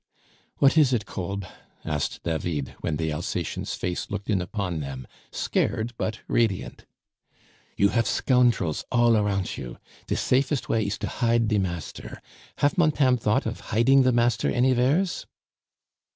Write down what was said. "What is it, Kolb?" asked David, when the Alsacien's face looked in upon them, scared but radiant. "You have scountrels all arount you. De safest way ees to hide de master. Haf montame thought of hiding the master anywheres?"